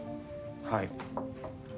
はい。